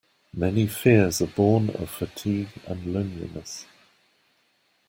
Many fears are born of fatigue and loneliness.